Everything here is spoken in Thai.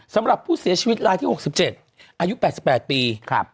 สำหรับผู้เสียชีวิตรายที่๖๗อายุ๘๘ปี